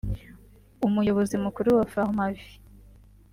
Umuyobozi Mukuru wa Pharmavie